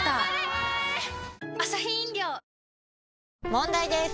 問題です！